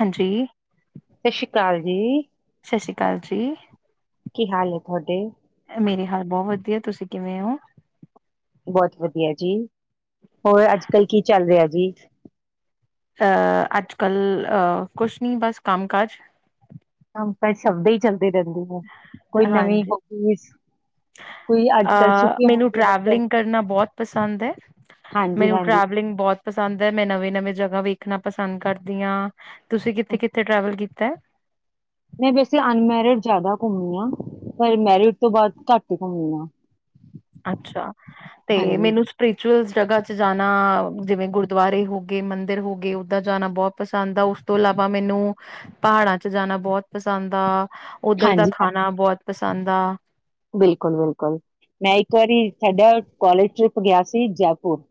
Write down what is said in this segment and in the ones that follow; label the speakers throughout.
Speaker 1: ਹਾਂਜੀ,
Speaker 2: ਸ਼ ਅਕਾਲ ਜੀ
Speaker 1: ਸਤਿ ਸ਼੍ਰੀ ਅਕਾਲ ਜੀ
Speaker 2: ਕੀ ਹਾਲ ਹੈ ਤੁਹਾਡੇ?
Speaker 1: ਮੇਰੇ ਹਾਲ ਬਹੁਤ ਵਧੀਆ, ਤੁਸੀਂ ਕਿਵੇਂ ਹੋ?
Speaker 2: ਬਹੁਤ ਵਧੀਆ ਜੀ ਹੋਰ ਅੱਜ ਕੱਲ੍ਹ ਕੀ ਚੱਲ ਰਿਹਾ ਜੀ
Speaker 1: ਅ ਅਜ ਕੱਲ੍ਹ ਕੁਛ ਨੀ ਬਸ ਕੰਮ ਕਾਜ
Speaker 2: ਕੰਮ ਤਾਂ ਸ਼ਬਦ ਹੀ ਚੱਲਦਾ ਰਹਿੰਦੇ ਹੈ ਕੋਈ ਨਵੀਂ
Speaker 1: ਹਾਂਜੀ
Speaker 2: ਹੋਬੀ
Speaker 1: ਅ ਮੈਨੂੰ
Speaker 2: ਬੱਚਿਆਂ ਨੂੰ
Speaker 1: ਟਰੈਵਲਿੰਗ ਕਰਨਾ ਬਹੁਤ ਪਸੰਦ ਹੈ
Speaker 2: ਹਾਂਜੀ
Speaker 1: ਮੈਨੂੰ
Speaker 2: ਹਾਂਜੀ
Speaker 1: ਟ੍ਰੈਵਲਿੰਗ ਬਹੁਤ ਪਸੰਦ ਹੈ ਮੈਂ ਨਵੇੀਂ ਨਵੀਂ ਜਗ੍ਹਾ ਵੇਖਣਾ ਪਸੰਦ ਕਰਦੀ ਹਾਂ ਤੁਸੀਂ ਕਿੱਥੇ ਕਿੱਥੇ ਟਰੈਵਲ ਕੀਤੀ ਤੇ
Speaker 2: ਮੈਂ ਵੈਸੇ ਅਨਮੈਰਿਡ ਜ਼ਿਆਦਾ ਘੁੰਮਣੀ ਆ ਪਰ ਮੈਰਿਡ ਤੋਂ ਬਾਅਦ ਘੱਟ ਹੀ ਘੁੰਮਣੀ ਆ
Speaker 1: ਅੱਛਾ ਤੇ ਮੈਨੂੰ ਸਪ੍ਰਚੁਅਲ ਜਗ੍ਹਾ 'ਚ ਜਾਣਾ ਜਿਵੇਂ ਗੁਰਦੁਆਰੇ ਹੋ ਗਏ ਮੰਦਿਰ ਹੋ ਗਏ ਉੱਦਰ ਜਾਣਾ ਬਹੁਤ ਪਸੰਦ ਆ ਉਸ ਤੋਂ ਇਲਾਵਾ ਮੈਨੂੰ ਪਹਾੜਾਂ ' ਜਾਣਾ ਬਹੁਤ ਪਸੰਦ ਆ ਉੱਧਰ ਦਾ
Speaker 2: ਹਾਂਜੀ
Speaker 1: ਖਾਣਾ ਬਹੁਤ ਪਸੰਦ ਆ
Speaker 2: ਬਿਲਕੁਲ ਬਿਲਕੁਲ ਮੈਂ ਇੱਕ ਵਾਰੀ ਸਾਡਾ ਕੋਾਲਜ ਟ੍ਰਿਪ ਗਿਆ ਸੀ ਜੈਪੁਰ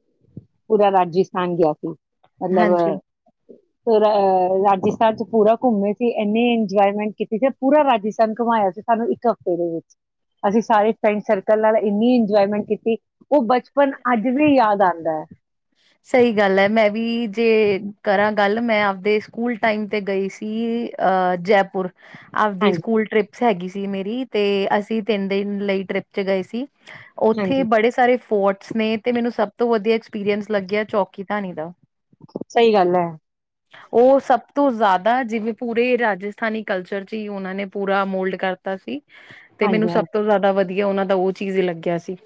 Speaker 2: ਪੂਰਾ ਰਾਜਸਥਾਨ ਗਿਆ ਸੀ ਮਤਲਬ
Speaker 1: ਹਾਂਜੀ,
Speaker 2: ਰਾਜਸਥਾਨ ਚ ਪੂਰਾ ਘੁੰਮੇ ਸੀ ਇੰਨੀੇ ਇੰਜੋਏਮੈਂਟ ਕੀਤੀ ਸੀ ਪੂਰਾ ਰਾਜਸਥਾਨ ਘੁੰਮਾਇਆ ਸੀ ਸਾਨੂੰ ਇੱਕ ਹਫ਼ਤੇ ਦੇ ਵਿੱਚ ਅਸੀਂ ਸਾਰੇ ਫਰੈਂਡ ਸਰਕਲ ਨਾਲ ਇੰਨੀ ਇੰਜੋਏਮੈਂਟ ਕੀਤੀ ਉਹ ਬਚਪਨ ਅੱਜ ਵੀ ਯਾਦ ਆਉਂਦਾ ਹੈ
Speaker 1: ਸਹੀ ਗੱਲ ਹੈ ਮੈਂ ਵੀ ਜੇ ਕਰਾਂ ਗੱਲ ਮੈਂ ਆਪਦੇ ਸਕੂਲ ਟਾਈਮ ਤੇ ਗਈ ਸੀ ਅਹ ਜੈਪੁਰ ਆਪਦੇ
Speaker 2: ਹਾਂਜੀ
Speaker 1: ਸਕੂਲ ਟ੍ਰਿਪਸ ਹੈਗੀ ਜ ਮੇਰੀ ਤੇ ਅਸੀਂ ਤਿੰਨ ਦਿਨ ਲਈ ਟ੍ਰਿਪ ਚ ਗਏ ਸੀ ਉੱਥੇ
Speaker 2: ਹਾਂਜੀ
Speaker 1: ਬੜੇ ਸਾਰੇ ਫੋਰਟਸ ਨੇ ਤੇ ਮੈਨੂੰ ਸਭ ਤੋਂ ਵਧੀਆ ਐਕਸਪੀਰੀਐਂਸ ਲੱਗਿਆ ਚੌਕੀ ਧਣੀ ਦਾ
Speaker 2: ਸਹੀ ਗੱਲ ਹੈ
Speaker 1: ਉਹ ਸਭ ਤੋਂ ਜ਼ਿਆਦਾ ਦਾ ਜਿਵੇਂ ਪੂਰੇ ਰਾਜਸਥਾਨੀ ਕਲਚਰ ਚ ਹੀ ਉਹਨਾਂ ਨੇ ਪੂਰਾ ਮੋਲਡ ਕਰਤਾ ਸੀ ਤੇ ਮੈਨੂੰ
Speaker 2: ਹਾਂਜੀ
Speaker 1: ਸਭ
Speaker 2: ਹਾਂਜੀ
Speaker 1: ਤੋਂ ਜ਼ਿਆਦਾ ਵਧੀਆ ਵਧੀਆ ਉਹਨਾਂ ਦਾ ਉਹ ਚੀਜ਼ ਹੀ ਲੱਗਿਆ ਸੀ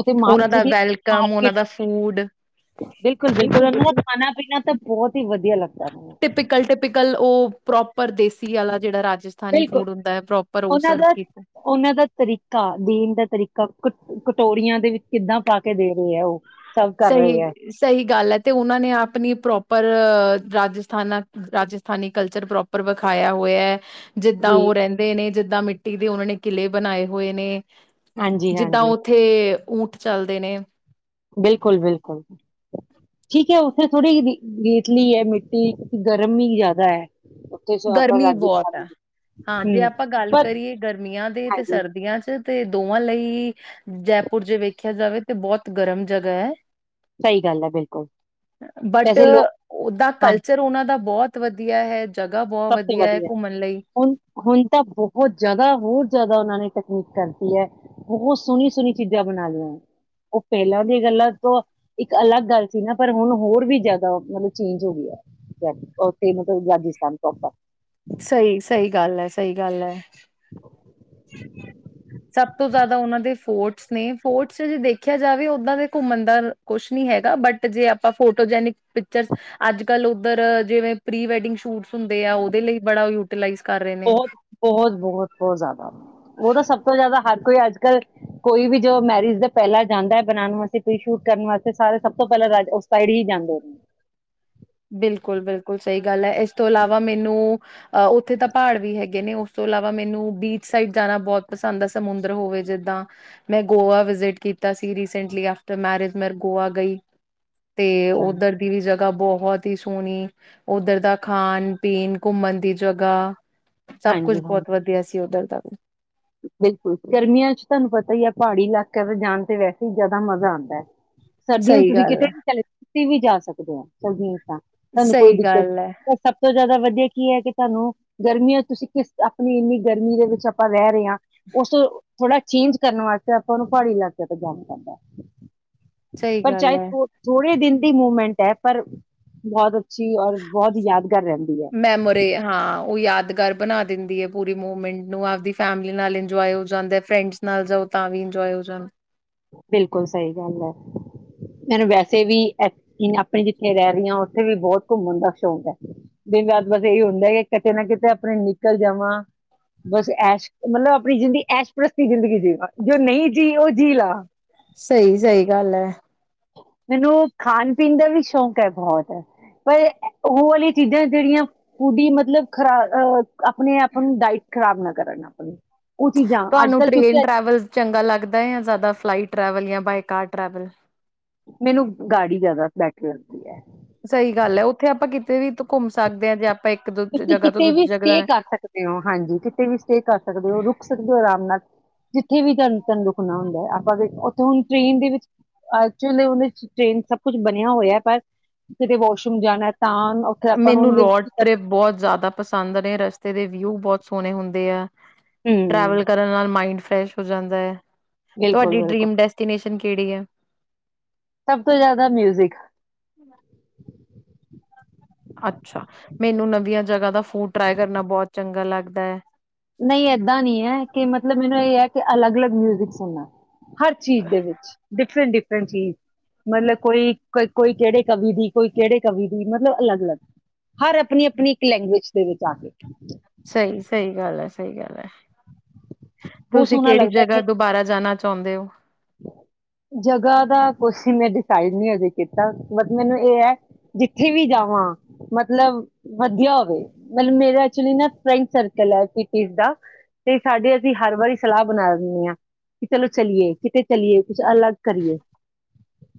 Speaker 2: ਉੱਥੇ ਮਾ
Speaker 1: ਉਹਨਾਂ
Speaker 2: ਉੱਥੋਂ
Speaker 1: ਦਾ
Speaker 2: ਦੀ
Speaker 1: ਵੈਲਕਮ ਉਹਨਾਂ
Speaker 2: ਮਾਰਕੀਟ
Speaker 1: ਦਾ ਫੂਡ
Speaker 2: ਬਿਲਕੁਲ ਬਿਲਕੁਲ ਉਹਨਾਂ ਦਾ ਖਾਨਾ ਪੀਣਾ ਤਾਂ ਬਹੁਤ ਹੀ ਵਧੀਆ ਲੱਗਦੈ
Speaker 1: ਟਿਪੀਕਲ ਟਿਪੀਕਲ ਉਹ ਪ੍ਰੋਪਰ ਦੇਸੀ ਆਲਾ ਜਿਹੜਾ ਰਾਜ
Speaker 2: ਬਿਲਕੁਲ ਉਹਨਾਂ ਦਾ
Speaker 1: ਕੀਤਾ।
Speaker 2: ਉਹਨਾਂ ਦਾ ਤਰੀਕਾ ਦੇਣ ਦਾ ਤਰੀਕਾ ਕੁਛ ਕਟੋਰੀਆਂ ਦੇ ਵਿੱਚ ਕਿੱਦਾਂ ਪਾ ਕੇ ਦੇ ਰਹੇ ਹੈ ਉਹ ਸਰਵ ਕਰ ਰਹੇ ਆ
Speaker 1: ਸਹੀ ਸਹੀ ਗੱਲ ਹੈ ਤੇ ਉਹਨਾਂ ਨੇ ਆਪਣੀ ਪ੍ਰੋਪਰ ਰਾਜਸਥਾਨਾਂ ਰਾਜਸਥਾਨੀ ਕਲਚਰ ਪ੍ਰੋਪਰ ਵਿਖਾਇਆ ਹੋਇਐ ਜਿੱਦਾਂ
Speaker 2: ਜੀ
Speaker 1: ਉਹ ਰਹਿੰਦੇ ਨੇ ਜਿੱਦਾਂ ਦਾਂ ਮਿੱਟੀ ਦੇ ਉਹਨਾਂ ਨੇ ਕਿਲੇ ਬਣਾਏ ਹੋਏ ਨੇ
Speaker 2: ਹਾਂਜੀ
Speaker 1: ਜਿੱਦਾਂ
Speaker 2: ਹਾਂਜੀ
Speaker 1: ਉੱਥੇ ਊਠ ਚੱਲਦੇ ਨੇ
Speaker 2: ਬਿਲਕੁਲ ਬਿਲਕੁਲ ਠੀਕ ਹੈ ਉੱਥੇ ਥੋੜ੍ਹੀ ਜੀ ਰੇਤਲੀ ਹੈ ਮਿੱਟੀ ਗਰਮੀ ਜ਼ਿਆਦਾ ਹੈ
Speaker 1: ਗਰਮੀ ਬਹੁਤ ਹੈ ਹਾਂ ਜੇ ਆਪਾਂ ਗੱਲ
Speaker 2: ਪਰ
Speaker 1: ਕਰੀਏ ਗਰਮੀਆਂ ਦੇ ਤੇ
Speaker 2: ਹਾਂਜੀ
Speaker 1: ਸਰਦੀਆਂ ਚ ਤੇ ਦੋਵਾਂ ਲਈ ਜੈਪੁਰ ਜੇ ਵੇਖਿਆ ਜਾਵੇ ਤੇ ਬਹੁਤ ਗਰਮ ਜਗ੍ਹਾ ਹੈ
Speaker 2: ਸਹੀ ਗੱਲ ਹੈ ਬਿਲਕੁਲ
Speaker 1: ਬਟ
Speaker 2: ਵੈਸੇ ਲੋਕ
Speaker 1: ਉਹਦਾ
Speaker 2: ਹਾਂਜੀ
Speaker 1: ਕਲਚਰ ਉਹਨਾਂ ਦਾ ਬਹੁਤ ਵਧੀਆ ਹੈ ਜਗ੍ਹਾ ਬਹੁਤ
Speaker 2: ਸਭ ਤੋਂ
Speaker 1: ਹੈ
Speaker 2: ਵਧੀਆ
Speaker 1: ਘੁੰਮਣ ਲਈ।
Speaker 2: ਹੁਣ ਹੁਣ ਤਾਂ ਬਹੁਤ ਜ਼ਿਆਦਾ ਹੋਰ ਜ਼ਿਆਦਾ ਉਹਨਾਂ ਨੇ ਕ ਕਰਤੀ ਹੈ ਬਹੁਤ ਸੋਹਣੀ ਸੋਹਣੀ ਚੀਜ਼ਾਂ ਬਣਾ ਲਈਆਂ ਉਹ ਪਹਿਲਾਂ ਦੀਆਂ ਗੱਲਾਂ ਤੋਂ ਇੱਕ ਅਲੱਗ ਗੱਲ ਸੀ ਨਾ ਪਰ ਹੁਣ ਹੋਰ ਵੀ ਜ਼ਿਆਦਾ ਮਤਲਬ ਚੇਂਜ ਹੋ ਗਿਆ ਉੱਥੇ ਮਤਲਬ ਰਾਜਸਥਾਨ ਪ੍ਰੋਪਰ
Speaker 1: ਸਹੀ ਸਹੀ ਗੱਲ ਹੈ ਸਹੀ ਗੱਲ ਹੈ ਸਬ ਤੋਂ ਜਿਆਦਾ ਉਹਨਾਂ ਦੇ ਫੋਰਟਸ ਨੇ ਫੋਰਟਸ ਜੇ ਦੇਖਿਆ ਜਾਵੇ ਓਦਾ ਦੇ ਘੁਮਣ ਦਾ ਕੁਛ ਨੀ ਹੈਗਾ ਬਟ ਜੇ ਆਪਾਂ ਫੋਟੋ ਜੇਨਿਕ ਪਿਕਚਰਜ਼ ਅੱਜ ਕਲ ਉਧਰ ਜਿਵੇ ਪ੍ਰੀ ਵੈਡਿੰਗ ਸ਼ੂਟਸ ਹੁੰਦੇ ਐ ਓਦੇ ਲਈ ਬੜਾ ਯੂਟਿਲਾਇਜ਼
Speaker 2: ਬਹੁਤ ਬਹੁਤ ਬਹੁਤ ਬਹੁਤ ਜ਼ਿਆਦਾ ਉਹਦਾ ਸਭ ਤੋਂ ਜ਼ਿਆਦਾ ਹ ਕੋਈ ਅੱਜ ਕੱਲ ਕੋਈ ਵੀ ਜੋ ਮੈਰਿਜ ਦਾ ਪਹਿਲਾਂ ਜਾਂਦਾ ਹੈ ਬਣਾਉਣ ਵਾਸਤੇ ਕੋਈ ਸ਼ੂਟ ਕਰਨ ਵਾਸਤੇ ਸਾਰੇ ਸਭ ਤੋਂ ਪਹਿਲਾਂ ਰਾਜ ਉਸ ਸਾਈਡ ਹੀ ਜਾਂਦੇ
Speaker 1: ਬਿਲਕੁਲ ਬਿਲਕੁਲ ਸਹੀ ਗੱਲ ਹੈ ਇਸ ਤੋਂ ਇਲਾਵਾ ਮੈਨੂੰ ਅ ਉੱਥੇ ਤਾਂ ਪਹਾੜ ਵੀ ਹੈਗੇ ਨੇ ਉਸਤੋਂ ਇਲਾਵਾ ਮੈਨੂੰ ਬੀਚ ਸਾਈਡ ਜਾਣਾ ਬਹੁਤ ਪਸੰਦ ਆ ਸਮੁੰਦਰ ਹੋਵੇ ਜਿਦਾਂ ਮੈਂ ਗੋਆ ਵਿਜ਼ਿਟ ਕੀਤਾ ਸੀ ਰੀਸੈਂਟਲੀ ਆਫਟਰ ਮੈਰਿਜ ਮੈਂ ਗੋਆ ਗਈ ਤੇ ਉੱਧਰ ਦੀ ਵੀ ਜਗ੍ਹਾ ਬਹੁਤ ਸੋਹਣੀ ਉੱਧਰ ਦਾ ਖਾਣ ਪੀਣ ਘੁੰਮਣ ਦੀ ਜਗ੍ਹਾ ਸਭ ਕੁਛ
Speaker 2: ਹਾਂਜੀ ਹਾਂ
Speaker 1: ਬਹੁਤ ਵਧੀਆ ਸੀ ਉੱਧਰ [unintelligible]
Speaker 2: ਬਿਲਕੁਲ ਗਰਮੀਆਂ ਚ ਤੁਹਾਨੂੰ ਪਤਾ ਹੀ ਹੈ ਪਹਾੜੀ ਇਲਾਕਿਆਂ ਦੇ ਜਾਣ ਤੇ ਵੈਸੇ ਹੀ ਜ਼ਿਆਦਾ ਮਜ਼ਾ ਆਂਦੈ ਸਰਦੀਆਂ ਚ
Speaker 1: ਸਹੀ
Speaker 2: ਤੁਸੀਂ
Speaker 1: ਗੱਲ
Speaker 2: ਕਿਤੇ
Speaker 1: ਹੈ
Speaker 2: ਵੀ ਚਲੇ ਵੀ ਜਾ ਸਕਦੇ ਆ ਤੁਹਾਨੂੰ ਕੋਈ
Speaker 1: ਸਹੀ
Speaker 2: ਦਿੱਕਤ
Speaker 1: ਗੱਲ ਹੈ
Speaker 2: ਨ ਸਭ ਤੋਂ ਜ਼ਿਆਦਾ ਵਧੀਆ ਕੀ ਹੈ ਕਿ ਤੁਹਾਨੂੰ ਗਰਮੀਆਂ ਤੁਸੀਂ ਕਿਸ ਆਪਣੀ ਇੰਨੀ ਗਰਮੀ ਦੇ ਵਿੱਚ ਆਪਾਂ ਬੇ ਰੇ ਆ ਉਸ ਥੋੜਾ ਚੇਂਜ ਕਰਨ ਵਾਸਤੇ ਆਪਾਂ ਨੂੰ ਪਹਾੜੀ ਇਲਾਕਿਆਂ ਤੋਂ ਜਾਣਾ ਪੈਂਦਾ।
Speaker 1: ਸਹੀ
Speaker 2: ਪਰ
Speaker 1: ਗੱਲ
Speaker 2: ਚਾਹੇ
Speaker 1: ਹੈ
Speaker 2: ਧੋੜੇ ਦਿਨ ਕਿ ਮੂਵਮੈਂਟ ਹੈ, ਪਰ [unintelligible] ਅੱਛੀ ਔਰ ਬਹੁਤ ਯਾਦਗਾਰ ਰਹਿੰਦੀ ਹੈ।
Speaker 1: ਮੈਮੋਰੀ ਹਾਂ, ਉਹ ਯਾਦਗਾਰ ਬਣਾ ਦਿੰਦੀ ਆ, ਪੂਰੀ ਮਮੈਂਟ ਨੂੰ ਆਪ ਫੈਮਲੀ ਨਾਲ ਇੰਜਏ ਹੋ ਜਾਂਦਾ ਫਰੇਡਸ ਨਾਲ ਜਾਓ ਤਾਂ ਵੀ ਇੰਜੋਏ ਹੋ ਜਾਦਾਂ।
Speaker 2: ਬਿਲਕੁਲ ਸਹੀ ਗੱਲ ਹੈ, ਮੈਨੂੰ ਵੈਸੇ ਵੀ ਆਪਣੇ ਜਿੱਥੇ ਰਹਿ ਰਹੀ ਹਾਂ ਉੱਥੇ ਵੀ ਬਹੁਤ ਘੁੰਮਣ ਦਾ ਸ਼ੌਂਕ ਹੈ, ਦਿਨ ਰਾਤ ਬਸ ਇਹੀ ਹੁੰਦਾ ਕਿ ਕਿਤੇ ਨਾ ਕਿਤੇ ਆਪਣੇ ਨਿਕਲ ਜਾਵਾਂ ਬਸ ਐਸ਼ ਮਤਲਬ ਆਪਣੀ ਜਿੰਦਗੀ ਐਸ਼ਪਸਤੀ ਜ਼ਿੰਦਗੀ ਜੀਵਾਂ ਜੋ ਨਹੀਂ ਜੀਅ ਉਹ ਜੀਅ ਲਾ
Speaker 1: ਸਹੀ, ਸਹੀ ਗੱਲ ਹੈ।
Speaker 2: ਮੈਨੂੰ ਖਾਣ ਪੀਣ ਦਾ ਵੀ ਸ਼ੌਕ ਹੈ, ਬਹੁਤ ਪਰ ਉਹ ਵਾਲੀਆਂ ਚੀਜ਼ਾਂ ਜਿਹੜੀਆਂ ਫੂਡੀ ਹੀ ਮਤਲਬ ਖਰਾਬ ਅਹ ਆਪਣੇ ਆਪਾਂ ਡਾਈਟ ਖਰਾਬ ਨਾ ਕਰਨ ਆਪਣੀ ਉਹ ਚੀਜ਼ਾਂ ਅੱਜ
Speaker 1: ਤੁਹਾਨੂੰ
Speaker 2: ਕੱਲ੍ਹ
Speaker 1: ਟ੍ਰੇਨ
Speaker 2: ਕਿਉਂਕਿ
Speaker 1: ਟਰੈਵਲ ਚੰਗਾ ਲੱਗਦਾ ਜਾਂ ਜ਼ਿਆਦਾ ਫਲਾਈਟ ਟ੍ਰੈਵਲ ਜਾਂ ਬਾਈਕ ਕਾਰ ਟਰੈਵਲਂ
Speaker 2: ਮੈਨੂੰ ਗਾੜੀ ਜਿਆਦਾ ਬੈਟਰ ਲੱਗਦੀ ਹੈ।
Speaker 1: ਸਹੀ ਗੱਲ ਹੈ, ਉੱਥੇ ਆਪਾਂ ਕਿਤੇ ਵੀ ਘੁੰਮ ਸਕਦੇ ਹਾਂ ਜੇ ਇੱਕ ਦੋ
Speaker 2: ਤੁਸੀਂ
Speaker 1: ਜਗ੍ਹਾ ਤੋਂ
Speaker 2: ਕਿਤੇ ਵੀ
Speaker 1: ਦੂਜੀ ਜਗ੍ਹਾ
Speaker 2: ਸਟੇ
Speaker 1: ਜਾਣਾ।
Speaker 2: ਕਰ ਸਕਦੇ ਹੋ ਹਾਂਜੀ, ਕਿਤੇ ਵੀ ਸਟੇ ਕਰ ਸਕਦੇ ਹੋ ਰੁਕ ਸਕਦੇ ਹੋ ਆਰਾਮ ਨਾਲ ਜਿੱਥੇ ਵੀ ਧਨ ਤਨ ਰੁਕਣਾ ਹੁੰਦਾ ਹੈ, ਆਪਾਂ ਦੇ ਉੱਥੇ ਹੁਣ ਟਰੇਨ ਦੇ ਵਿੱਚ ਐਕਚੁਲੀ ਟ੍ਰੇਨ ਸ ਕੁੱਛ ਬਣਿਆ ਹੋਇਆ ਪਰ ਕਿਤੇ ਵਾਸ਼ਰੂਮ ਜਾਣਾ। ਤਾ ਉੱਥੇ ਆਪਾਂ
Speaker 1: ਮੈਨੂੰ
Speaker 2: ਉਹਦੇ ਵਿੱਚ
Speaker 1: ਰੋਡ
Speaker 2: ਕੀ ਕਰਨਾ।
Speaker 1: ਟ੍ਰਿਪ ਬਹੁਤ ਜ਼ਿਆਦਾ ਪਸੰਦ ਨੇ, ਰਸਤੇ ਦੇ ਵਿਊ ਬਹੁਤ ਸੋਹਣੇ ਹੁੰਦੇ ਹੈ।
Speaker 2: ਹਮ
Speaker 1: ਟਰੈਵਲ ਕਰਨ ਨਾਲ ਮਾਈੰਡ ਫਰੈਸ਼ ਹੋ ਜਾਂਦਾ ਹੈ।
Speaker 2: ਬਿਲਕੁਲ
Speaker 1: ਤੁਹਾਡੀ
Speaker 2: ਬਿਲਕੁਲ
Speaker 1: ਡਰੀਮ ਡੈਸਟੀਨੇਸ਼ਨ ਕਿਹੜੀਆਂ।
Speaker 2: ਸਭ ਤੋਂ ਜ਼ਿਆਦਾ ਮਿਊਜਿਕ
Speaker 1: ਅੱਛਾ ਮੈਨੂੰ ਨਵੀਆਂ ਜਗਾ ਦਾ ਫੂਡ ਟਰਾਈ ਕਰਨਾ ਬਹੁਤ ਚੰਗਾ ਲੱਗਦਾ ਹੈ।
Speaker 2: ਨਹੀਂ ਏਦਾਂ ਨਹੀਂ ਹੈ, ਕਿ ਮਤਲਬ ਮੈਨੂੰ ਇਹ ਹੈ ਕਿ ਅਲੱਗ ਅਲੱਗ ਮਿਊਜਿਕ ਸੁਣਨਾ ਹਰ ਚੀਜ਼ ਦੇ ਵਿੱਚ ਡਿਫਰੈਂਟ ਡਿਫਰ ਹਾਂਜੀ, ਮਤਲਬ ਕੋਈ ਕੋਈ ਕਿਹੜੇ ਕਵੀ ਦੀ ਕੋਈ ਕਿਹੜੇ ਕਵੀ ਦੀ ਮਤਲਬ ਅਲੱਗ, ਅਲੱਗ ਹਰ ਆਪਣੀ ਆਪਣੀ ਇੱਕ ਲੈਂਗੁਏਜ ਦੇ ਵਿੱਚ ਆ ਕੇ
Speaker 1: ਸਹੀ, ਸਹੀ ਗੱਲ ਹੈ ਸਹੀ ਗੱਲ ਹੈ।
Speaker 2: ਬਹੁਤ
Speaker 1: ਤੁਸੀਂ
Speaker 2: ਸੋਹਣਾ
Speaker 1: ਕਿਹੜੀ
Speaker 2: ਲੱਗਦਾ ਕਿ
Speaker 1: ਜਗ੍ਹਾ ਦੁਬਾਰਾ ਜਾਣਾ ਚ ਚਾਹੁੰਦੇ ਹੋ।
Speaker 2: ਜਗ੍ਹਾ ਦਾ ਕੁਛ ਮੈਂ ਡਿਸਾਈਡ ਨੀ ਹਜੇ ਕੀਤਾ ਮਤਲਬ ਇਹ ਹੈ ਜਿੱਥੇ ਵੀ ਜਾਵਾਂ ਮਤਲਬ ਵਧੀਆ ਹੋਵੇ ਮਤਲਬ ਮੇਰਾ ਐਕਚੁਲੀ ਨਾ ਫਰੈਂਡ ਸਰਕਲ ਹੈ, ਕਿੱਟੀ ਦਾ ਤੇ ਸਾਡੇ ਅਸੀਂ ਹਰ ਵਾਰੀ ਸਲਾਹ ਬਣਾ ਦਿੰਦੇ ਹਾਂ ਕਿ ਚਲੋ ਚਲੀਏ ਕਿਤੇ ਚੱਲੀਏ। ਕੁਛ ਅਲੱਗ ਕਰੀਏ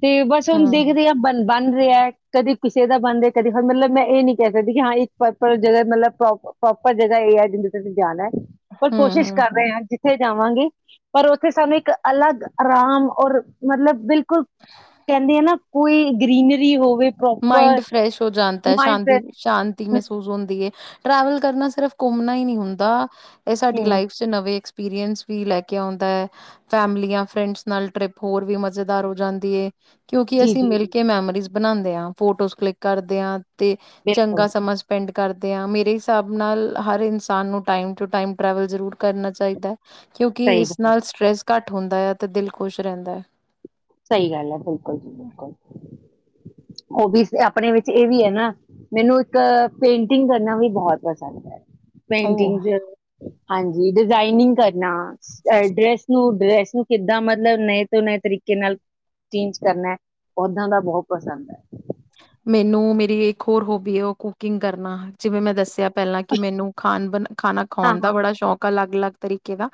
Speaker 2: ਤੇ ਬਸ ਹੁਣ
Speaker 1: ਹੂੰ,
Speaker 2: ਦੇਖਦੇ ਆ ਬ ਬਣ ਰਿਹਾ। ਕਦੀ ਕਿਸੇ ਦਾ ਬਣਦੇ ਹੈ ਕਦੇ ਹ ਮਤਲਬ ਮੈਂ ਇਹ ਨੀ ਕਹਿ ਸਕਦੀ ਕਿ ਹਾਂ ਇੱਕ ਪ੍ਰਪਰ ਜਗ੍ਹਾ ਮਤਲਬ ਪ੍ਰੋਪਰ ਜਗ੍ਹਾ ਇਹ ਹੈ ਜਿਦੇ ਤੁਸੀਂ ਜਾਣਾ ਪਰ
Speaker 1: ਹੂੰ,
Speaker 2: ਕੋਸ਼ਿਸ਼
Speaker 1: ਹੂੰ,
Speaker 2: ਕਰ
Speaker 1: ਹੂੰ।
Speaker 2: ਰਹੇ ਹਾਂ ਜਿੱਥੇ ਜਾਵਾਂਗੇ ਪਰ ਉੱਥੇ ਸਾਨੂੰ ਇੱਕ ਅਲੱਗ ਆਰਾਮ ਔਰ ਮਤਲਬ ਬਿਲ ਕੁਲ ਕਹਿੰਦੀ ਆ ਨਾ ਕੋਈ ਗ੍ਰਰੀਨਰੀ ਹੋਵੇ ਪ੍ਰੋਪਰ
Speaker 1: ਮਾਇੰਡ ਫਰੈਸ਼ ਹੋ ਜਾਂਦਾ ਹੈ,
Speaker 2: ਮਾਈਂਡ
Speaker 1: ਸ਼ਾਂਤੀ-ਸ਼ਾਂਤੀ
Speaker 2: ਫਰੈਸ਼
Speaker 1: ਮਹਿਸੂਸ ਹੁੰਦੀ ਹੈ। ਟਰੈਵਲ ਕਰਨਾ ਸਿਰਫ ਘੁੰਮਣਾ ਹੀ ਨਹੀਂ ਹੁੰਦਾ ਇਹ ਸਾਡੀ
Speaker 2: ਹਮ,
Speaker 1: ਲਾਈਫ ਚ ਨਵੇਂ ਐਕਸ ਐਕਸਪੀਰੀਅੰਸ ਵੀ ਲੈ ਕੇ ਆਉਂਦਾ ਹੈ, ਫੈਮਲੀਆਂ ਫਰੈਂਡਸ ਨਾਲ ਟਰਿਪ ਹੋਰ ਵੀ ਮਜ਼ੇਦਾਰ ਹੋ ਜਾਂਦੀ ਏ। ਕਿਉਂਕਿ
Speaker 2: ਜੀ
Speaker 1: ਅਸੀਂ
Speaker 2: ਜੀ
Speaker 1: ਮਿਲ
Speaker 2: ਜੀ
Speaker 1: ਕੇ ਮੈਮਰੀਜ਼ ਬਣਾਂਦੇ ਹਾਂ। ਫੋਟੋਸ ਕਲਿੱਕ ਕਰਦੇ ਆਂ। ਤੇ
Speaker 2: ਬਿਲਕੁਲ
Speaker 1: ਚੰਗਾ ਸਮਾਂ ਸਪੈਂਡ ਕਰਦੇ ਹਾਂ ਮੇਰੇ ਹਿਸਾਬ ਨਾਲ ਹਰ ਇਨਸਾਨ ਨੂੰ ਟਾਈਮ ਟੂ ਟਾਈਮ ਟਰੈਵਲ ਜ਼ਰੂਰ ਕਰਨਾ ਚਾਹੀਦਾ। ਕਿਉਂਕਿ
Speaker 2: ਸਹੀ
Speaker 1: ਇਸ
Speaker 2: ਗੱਲ ਹੈ,
Speaker 1: ਨਾਲ ਸਟਰ੍ਰੈਸ ਘੱਟ ਹੁੰਦਾ ਆ ਅਤੇ ਦਿਲ ਖੁਸ਼ ਰਹਿੰਦਾ ਹੈ।
Speaker 2: ਸਹੀ ਗੱਲ ਹੈ ਬਿਲਕੁਲ ਜੀ, ਬਿਲਕੁਲ ਉਹ ਵੀ ਆਪਣੇ ਵਿੱਚ ਇਹ ਵੀ ਹੈ ਨਾ ਮੈਨੂੰ ਇੱਕ ਪੇਂਟਿੰਗ ਕਰਨਾ ਵੀ ਬਹੁਤ ਪਸੰਦ ਹੈ।
Speaker 1: ਓਹ!
Speaker 2: ਪੇਂਟਿੰਗਜ਼ ਹਾਂਜੀ ਡਿਜ਼ਾਇਨਿੰਗ ਕਰ ਨਾ ਡਰੈਸ ਨੂੰ ਡ੍ਰੈਸ ਨੂੰ ਕਿੱਦਾਂ ਮਤਲਬ ਨਏ ਤੋਂ ਨਏ ਤਰੀ ਕੇ ਨਾਲ ਚੇਂਜ ਕਰਨਾ, ਪੌਦਾਂ ਦਾ ਬਹੁਤ ਪਸੰਦ ਹੈ।
Speaker 1: ਮੈਨੂੰ ਮੇਰੀ ਇੱਕ ਹੋਰ ਹੋਬੀ ਹੈ ਉਹ ਕੁਕਿੰਗ ਕਰਨਾ ਜਿਵੇਂ ਮੈਂ ਦੱਸਿਆ ਪਹਿਲਾਂ ਕਿ ਮੈਨੂੰ ਖਾਣ ਬ ਖਾਣਾ
Speaker 2: ਹਾਂ
Speaker 1: ਖਾਉਣ ਦਾ
Speaker 2: ਹਾਂ ਹਾਂ।
Speaker 1: ਬੜਾ ਸ਼ੌਕ ਆ ਅਲੱਗ- ਅਲੱਗ ਤਰੀਕੇ ਦਾ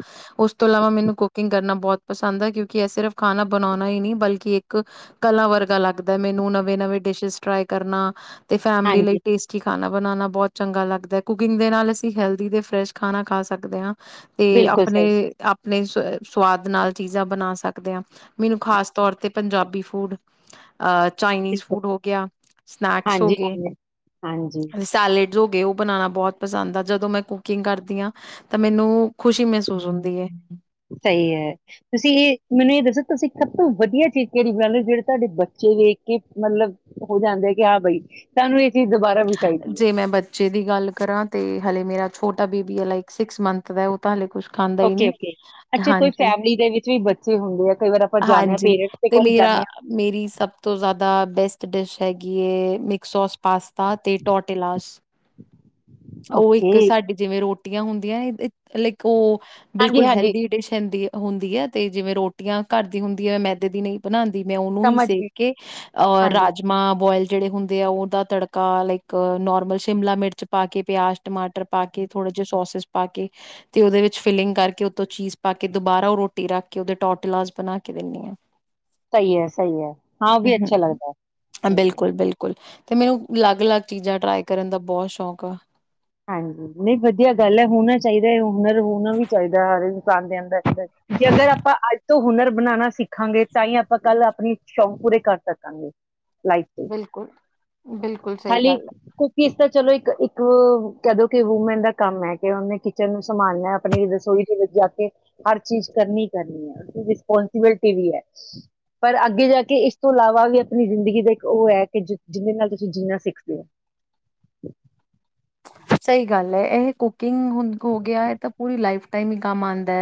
Speaker 1: ਉਸ ਤੋਂ ਇਲਾਵਾ ਮੈਨੂੰ ਕੁਕਿੰਗ ਕਰਨਾ ਬਹੁਤ ਪਸੰਦ ਹੈ ਕਿਉਂਕਿ ਇਹ ਸਿਰਫ਼ ਖਾਣਾ ਬਣਾਉਣਾ ਹੀ ਨਹੀਂ, ਬਲਕਿ ਇੱਕ ਕਲਾ ਵਰਗਾ ਲੱਗਦਾ ਮੈਨੂੰ ਨਵੇਂ ਨਵੇਂ ਡਿਸ਼ਜ਼ ਟ੍ਰਾਈ ਕਰਨਾ ਤੇ ਫੈਮਿਲੀ ਲਈ
Speaker 2: ਹਾਂਜੀ
Speaker 1: ਟੇਸਟੀ ਖਾਣਾ ਬਣਾਣਾ ਬਹੁਤ ਚੰਗਾ ਲੱਗਦਾ ਹੈ, ਕੁਕਿੰਗ ਦੇ ਨਾਲ ਅਸੀਂ ਹੈਲਦੀ ਤੇ ਫਰੈਸ਼ ਖਾਣਾ ਖਾ ਸਕਦੇ ਹਾਂ। ਤੇ
Speaker 2: ਬਿਲਕੁਲ
Speaker 1: ਆਪਣੇ
Speaker 2: ਸਹੀ
Speaker 1: ਆਪ ਆਪਣੇ ਸਵਾਦ ਨਾਲ ਚੀਜ਼ਾਂ ਬਣਾ ਸਕਦੇ ਆ ਮੈਨੂੰ ਖਾਸ ਤੌਰ ਤੇ ਪੰਜਾਬੀ ਫੂਡ ਅ ਚਾਈਨੀਜ਼
Speaker 2: ਬਿਲਕੁਲ
Speaker 1: ਫੂਡ ਹੋ ਸਨੈਕਸ ਹੋ
Speaker 2: ਹਾਂਜੀ
Speaker 1: ਗਏ
Speaker 2: ਹਾਂਜੀ। ਹਾਂਜੀ
Speaker 1: ਸੇਲਡ ਹੋ ਗ ਉਹ ਬਣਾਣਾ ਬਹੁਤ ਪਸੰਦ ਆ ਜਦੋਂ ਮੈਂ ਕੁਕਿੰਗ ਕਰਦੀ ਹਾਂ ਤਾਂ ਮੈਨੂੰ ਖੁਸ਼ੀ ਮਹਿਸੂਸ ਹੁੰਦੀ ਹੈ
Speaker 2: ਸਹੀ ਹੈ ਤੁਸੀਂ ਇਹ ਮੈਨੂੰ ਇਹ ਦੱਸੋ ਤੁਸੀਂ ਸਭ ਤੋਂ ਵਧੀਆ ਚੀਜ਼ ਕਿਹੜੀ ਬਣਾ ਲਿਓ ਜਿਹੜੇ ਤੁਹਾਡੇ ਬੱਚੇ ਵੇਖ ਕੇ ਮਤਲਬ ਹੋ ਜਾਂਦੇ ਆ ਕਿ ਹਾਂ ਬਾਈ ਤੁਹਾਨੂੰ ਇਹ ਚੀਜ਼ ਦੁਬਾਰਾ ਵੀ ਚਾਹੀਦੀ ਹੈ
Speaker 1: ਜੇ ਮੈਂ ਬੱਚੇ ਦੀ ਗੱਲ ਕਰਾਂ ਤੇ ਹਲੇੇ ਮੇਰਾ ਛੋਟਾ ਬੀਬੀ ਹੈ ਲਾਈਕ ਸਿਕਸ ਮੰਥ ਦਾ ਉਹ ਤਾਂ ਹਾਲੇ ਕੁਛ ਖਾਂਦਾ ਹੀ
Speaker 2: ਓਕੇ
Speaker 1: ਨੀ
Speaker 2: ਓਕੇ ਅੱਛਾ ਕੋਈ
Speaker 1: ਹਾਂਜੀ,
Speaker 2: ਫੈਮਿਲੀ ਦੇ ਵਿੱਚ ਵੀ ਬੱਚੇ ਹੁੰਦੇ ਆ ਕਈ ਵਾਰ ਆਪਾਂ ਜਾਂਦੇ ਹਾਂ
Speaker 1: ਹਾਂਜੀ
Speaker 2: ਪੇਰੈਂਟਸ ਦੇ
Speaker 1: ਤੇ
Speaker 2: ਕੋਲ ਹੀ ਜਾਂਦੇ
Speaker 1: ਮੇਰਾ ਮੇਰੀ ਸਭ ਤੋਂ ਜ਼ਿਆਦਾ ਬੈਸਟ ਡਿਸ਼ ਹੈਗੀ ਏ ਮਿਕਸ ਸੋਸ ਪਾਸਤਾ ਤੇ ਟੋਟੇਲਾਸ
Speaker 2: ਹਾਂ
Speaker 1: ਉਹ
Speaker 2: ਓਕੇ
Speaker 1: ਇੱਕ ਸਾਡੀੇ ਜਿਵੇਂ ਰੋਟੀ ਹੁੰਦੀਆਂ ਇਹ ਲਾਈਕ ਉਹ
Speaker 2: ਹਾਂਜੀ
Speaker 1: ਬਿਲਕੁਲ
Speaker 2: ਹਾਂਜੀ
Speaker 1: ਹੈਲਦੀ ਡਿਸ਼ ਹੁੰਦੀ ਹੈ ਹੁੰਦੀ ਹੈ ਤੇ ਜਿਵੇਂ ਰੋਟੀਆਂ ਘਰ ਦੀ ਹੁੰਦੀ ਹੈ ਮੈਦੇ ਦੀ ਨਹੀਂ ਬਣਾਉਂਦੀ ਮੈਂ ਉਹਨੂੰ ਹੀ
Speaker 2: ਸਮਝ
Speaker 1: ਸੇਖ
Speaker 2: ਗਈ
Speaker 1: ਕੇ ਅ
Speaker 2: ਹਾਂਜੀ।
Speaker 1: ਰਾਜਮਾਂ ਬੋਇਲ ਜਿਹੜੇ ਹੁੰਦੇ ਆ ਉਹਦਾ ਤੜਕਾ ਲਾਈਕ ਨੋਰਮਲ ਸ਼ਿਮਲਾ ਮਿਰਚ ਪਾ ਕੇ ਪਿਆਜ ਟਮਾਟਰ ਪਾ ਕੇ ਥੋੜੇ ਜਿਹੇ ਸੋਸਸ ਪਾ ਕੇ ਤੇ ਓਦੇ ਵਿੱਚ ਫਿਲਿੰਗ ਕਰਕੇ ਉਤੋਂ ਚੀਜ਼ ਪਾ ਕੇ ਦੁਬਾਰਾ ਉਹ ਰੋਟੀ ਰੱਖ ਕੇ ਉਹਦੇ ਟੋਟਲਾ ਬਣਾ ਕੇ ਦਿੰਦੀ ਹਾਂ
Speaker 2: ਸਹੀ ਹੈ ਸਹੀ ਹੈ ਹਾਂ ਵੀ ਅੱਛਾ ਲੱਗਦਾ
Speaker 1: ਹਮ
Speaker 2: ਹੈ
Speaker 1: ਬਿਲਕੁਲ ਬਿਲਕੁਲ ਤੇ ਮੈਨੂੰ ਅਲੱਗ ਅਲੱਗ ਚੀਜ਼ਾਂ ਟ੍ਰਈ ਕਰਨ ਦਾ ਬਹੁਤ ਸ਼ੌਕ ਆ
Speaker 2: ਹਾਂਜੀ ਨਹੀਂ ਵਧੀਆ ਗੱਲ ਹੈ ਹੋਣਾ ਚਾਹੀਦਾ ਹੈ ਹੁਨਰ ਹੋਣਾ ਵੀ ਚਾਹੀਦਾ ਹਰ ਦੇ ਅੰਦਰ ਜੇ ਅਗਰ ਆਪਾਂ ਅੱਜ ਤੋਂ ਹੁਨਰ ਬਣਾਉਣਾ ਸਿੱਖਾਂਗੇ ਤਾਂ ਹੀ ਆਪਾਂ ਕੱਲ ਆਪਣੀ ਸ਼ੌਂਕ ਪੂਰੇ ਕਰ ਸਕਾਂਗੇ ਲਾਈਫ ਤੇ
Speaker 1: ਬਿਲਕੁਲ ਬਿਲਕੁਲ ਸਹੀ
Speaker 2: ਖਾਲੀ
Speaker 1: ਗੱਲ ਹੈ
Speaker 2: ਤਾਂ ਚਲੋ ਇੱਕ ਇੱਕ ਕਦੋਂ ਕਿ ਵੂਮੈਨ ਦਾ ਕੰਮ ਹੈ ਕਿ ਉਹਨੇ ਕਿਚਨ ਨੂੰ ਸੰਭਾਲਣਾ ਆਪਣੀ ਰਸੋਈ ਦੇ ਵਿੱਚ ਜਾ ਕੇ ਹਰ ਚੀਜ਼ ਕਰਨੀ ਕਰਨੀ ਹੈ ਰਿਸਪੋਂਸੀਬਿਲਟੀ ਵੀ ਹੈ ਪਰ ਅੱਗੇ ਜਾ ਕੇ ਇਸ ਤੋਂ ਇਲਾਵਾ ਵੀ ਆਪਣੀ ਜ਼ਿੰਦਗੀ ਦਾ ਇੱਕ ਉਹ ਹੈ ਕਿ ਜਿਹਦੇ ਨਾਲ ਤੁਸੀਂ ਜੀਣਾ ਸਿੱਖਦੇ ਹੋ
Speaker 1: ਸਹੀ ਗੱਲ ਏ ਇਹ ਕੁ ਕਿੰਗ ਹ ਹੋ ਗਿਆ ਹੈ ਤਾਂ ਪੂਰੀ ਲਾਈਫ ਕੰਮ ਆਦਾ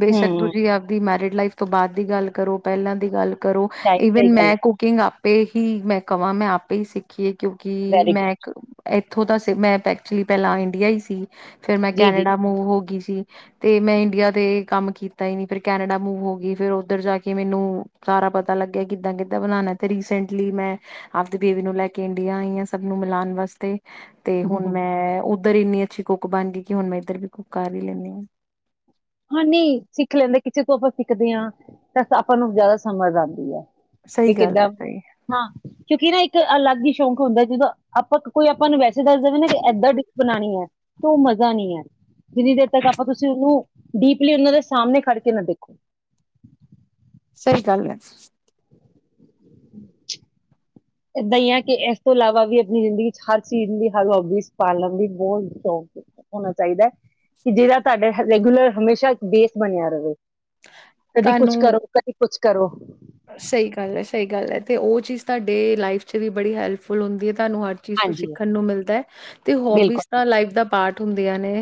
Speaker 1: ਬੇਸ਼ੱਕ
Speaker 2: ਹਮ
Speaker 1: ਤੁਸੀਂ ਆਪਦੀ ਮੈਰਿਟ ਲਾਈਫ ਤੋਂ ਬਾਅਦ ਦੀ ਗੱਲ ਕਰੋ ਪਹਿਲਾਂ ਦੀ ਗੱਲ ਕਰੋ
Speaker 2: ਚਾਹੀ ਸਹੀ
Speaker 1: ਈਵਨ
Speaker 2: ਗੱਲ
Speaker 1: ਮੈਂ ਕੁਕਿੰਗ ਆਪੇ ਹੀ ਮੈਂ ਕਹਾਂ ਮੈਂ ਆਪੇ ਹੀ ਸਿੱਖੀਏ ਕਿਉਂਕਿ
Speaker 2: ਵੈਰੀ
Speaker 1: ਮੈਂ
Speaker 2: ਗੁੱਡ
Speaker 1: ਇੱਕ ਥੋਂ ਤਾਂ ਮੈਂ ਪੈ ਐਕਚੁਲੀ ਪਹਿਲਾਂ ਇੰਡੀਆ ਹੀ ਸੀ ਫੇਰ ਮੈਂ
Speaker 2: ਜੀ ਜੀ
Speaker 1: ਕੈਨੇਡਾ ਮੂਵ ਹੋ ਗਈ ਸੀ ਤੇ ਮੈਂ ਇੰਡੀਆ ਤੇ ਕੰਮ ਕੀਤਾ ਹੀ ਨ ਫਿਰ ਕੈਨੇਡਾ ਮੂਵ ਹੋ ਗਈ ਫੇਿਰ ਉਓਧਰ ਜਾ ਕੇ ਮੈਨੂੰ ਸਾਰਾ ਪਤਾ ਲੱਗਿਆ ਕਿੱਦਾਂ ਕਿੱਦਾਂ ਬਣਾਣਾ ਤੇ ਰੀਸੈਂਟਲੀ ਮੈਂ ਆਪਦੀ ਬੇਬੀ ਨੂੰ ਲੈਕੇ ਇੰਡੀਆ ਆਈ ਆਾਂ ਸਭ ਨੂੰ ਮਿਲਾਉਣ ਵਾਸਤੇ ਤੇ ਹੁਣ ਮੈਂ ਉੱਧਰ ਇੰਨੀ ਅੱਛੀ ਕੁੱਕ ਬਣ ਗਈ ਕਿ ਹੁਣ ਮੈਂ ਇੱਧਰ ਵੀ ਕੁੱਕ ਕਰ ਹੀ ਲੈਂਦੀ ਹਾਂ
Speaker 2: ਹਾਂ ਨਹੀਂ ਸਿੱਖ ਲੈਂਦਾ ਕਿਸੇ ਤੋਂ ਆਪਾਂ ਸਿੱਖਦੇ ਹਾਂ ਤਾਂ ਆਪਾਂ ਨੂੰ ਜ਼ਿਆਦਾ ਸਮਝ ਆਉਂਦੀ ਹੈ
Speaker 1: ਸਹੀ
Speaker 2: ਕਿ
Speaker 1: ਗੱਲ ਹੈ
Speaker 2: ਕਿੱਦਾਂ
Speaker 1: ਸਹੀ
Speaker 2: ਹਾਂ ਕਿਉਂਕਿ ਨਾ ਇੱਕ ਅਲੱਗ ਹੀ ਸ਼ੌਂਕ ਹੁੰਦਾ ਜਦੋਂ ਆਪਾਂ ਕੋਈ ਆਪਾਂ ਨੂੰ ਵੈਸੇ ਦੱਸ ਦੇਵੇ ਨਾ ਕਿ ਇਏਦਾਂ ਡਿਸ਼ ਬਣਾਉਣੀ ਹੈ ਤੇ ਉਹ ਮਜ਼ਾ ਨਹੀਂੀ ਹੈ ਜਿੰਨੀ ਦੇਰ ਤੱਕ ਆਪਾਂ ਤੁਸੀਂ ਉਹਨੂੰ ਡੀਪਲੀ ਉਹਨਾਂ ਦੇ ਸਾਹਮਣੇ ਖੜ ਕੇ ਨਾ ਦੇਖੋ
Speaker 1: ਸਹੀ ਗੱਲ ਹੈ
Speaker 2: ਇਏਦਾਂ ਹੀ ਆ ਕਿ ਇਸ ਤੋਂ ਇਲਾਵਾ ਵੀ ਆਪਣੀ ਜ਼ਿੰਦਗੀ ਚ ਹਰ ਚੀਜ਼ ਦੀ ਹਰ ਹੋਬੀ ਪਾਲਣ ਦੀ ਬਹੁਤ ਸ਼ੌਕ ਹੋਣਾ ਚਾਹੀਦਾ ਹੈ ਕਿ ਜਿਹੜਾ ਤੁਹਾਡੇ ਰੈਗੂਲਰ ਹਮੇਸ਼ਾ ਬੇਸ ਬਣਿਆ ਰਹੇ ਕਦੀ ਕੁਛ ਕਰੋ
Speaker 1: ਤੁਹਾਨੂੰ
Speaker 2: ਕਦੀ ਕੁਛ ਕਰੋ
Speaker 1: ਸਹੀ ਗੱਲ ਹੈ ਸਹੀ ਗੱਲ ਹੈ ਤੇ ਉਹ ਚੀਜ਼ ਤੁਹਾਡੇ ਲਾਈਫ ਚ ਵੀ ਬੜੀ ਹੈਲਪਫੁਲ ਹੁੰਦੀ ਹੈ ਤੁਹਾਨੂੰ ਹਰ ਚੀਜ਼ ਤੋਂ
Speaker 2: ਹਾਂਜੀ
Speaker 1: ਸਿੱਖਣ ਨੂੰ ਮਿਲਦਾ ਹੈ ਤੇ ਹੋਬੀਜ਼
Speaker 2: ਬਿਲਕੁਲ
Speaker 1: ਤਾਂ ਲਾਈਫ ਦਾ ਪਾਠ ਹੁੰਦੀਆਂ ਨੇ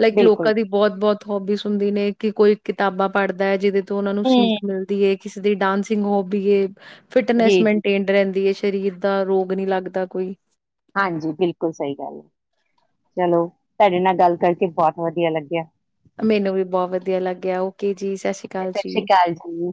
Speaker 1: ਲਾਈਕ
Speaker 2: ਬਿਲਕੁਲ
Speaker 1: ਲੋਕਾਂ ਦੀ ਬਹੁਤ ਬਹੁਤ ਹੋਬੀ ਹੁੰਦੀ ਨੇ ਕਿ ਕੋਈ ਕਿਤਾਬਾਂ ਪੜ੍ਹਦਾ ਹੈ ਜਿਹਦੇ ਤੋਂ ਉਹਨਾਂ ਨੂੰ
Speaker 2: ਹਮ
Speaker 1: ਸੀੀਖ ਮਿਲਦੀ ਹੈ ਕਿਸੇ ਦੇ ਡਾਂਸ [unintelligible] ਫਿਟਨੈਸ
Speaker 2: ਜੀ ਜੀ
Speaker 1: ਮੇਨਟੇਨਡ ਰਹਿੰਦੀ ਹੈ ਸਰੀਰ ਦਾ ਰੋਗ ਨਹੀਂੀ ਲੱਗਦਾ ਕੋਈ
Speaker 2: ਹਾਂਜੀ ਬਿਲਕੁਲ ਸਹੀ ਗੱਲ ਹੈ ਚਲੋ ਤੁਹਾਡੇ ਨਾਲ ਗੱਲ ਕਰਕੇ ਬਹੁਤ ਵਧੀਆ ਲੱਗਿਆ
Speaker 1: ਮੈਨੂੰ ਵੀ ਬਹੁਤ ਵਧੀਆ ਲੱਗਿਆ ਉਹ ਕੀ
Speaker 2: ਸਤਿ ਸ੍ਰੀ ਅਕਾਲ ਜੀ